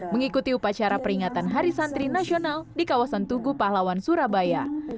mengikuti upacara peringatan hari santri nasional di kawasan tugu pahlawan surabaya